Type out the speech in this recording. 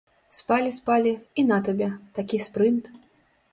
Спалі-спалі, і на табе, такі спрынт!